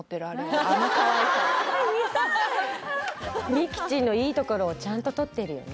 美紀ちんのいいところをちゃんと取ってるよね